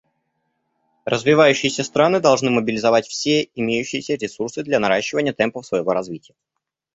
Развивающиеся страны должны мобилизовать все имеющиеся ресурсы для наращивания темпов своего развития.